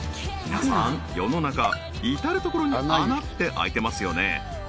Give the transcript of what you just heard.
皆さん世の中至るところに穴って開いてますよね